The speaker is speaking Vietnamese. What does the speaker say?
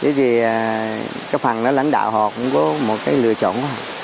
thế thì cái phần đó lãnh đạo họ cũng có một cái lựa chọn